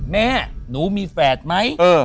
แม่หนูมีแฝดไหม